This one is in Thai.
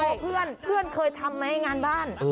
เพื่อนเพื่อนเคยทำไหมงานบ้าน